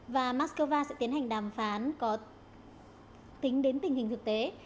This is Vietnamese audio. và moscow sẽ tiến hành đàm phán có tính đến tình hình thực tế